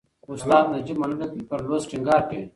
استاد نجيب منلی پر لوست ټینګار کوي.